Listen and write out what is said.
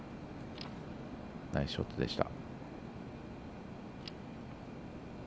ナイスショットでした。